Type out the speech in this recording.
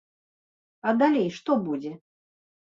А далей што будзе?